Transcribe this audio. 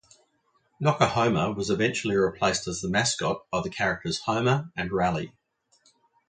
Noc-a-Homa was eventually replaced as the mascot by the characters "Homer" and "Rally".